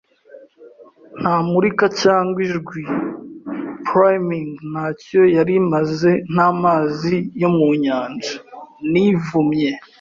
ntamurika cyangwa ijwi; priming ntacyo yari imaze n'amazi yo mu nyanja. Nivumye